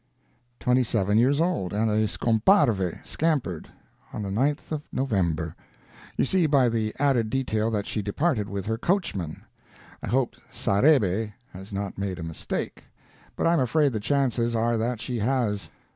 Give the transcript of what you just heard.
Twenty seven years old, and scomparve scampered on the 9th November. You see by the added detail that she departed with her coachman. I hope Sarebbe has not made a mistake, but I am afraid the chances are that she has.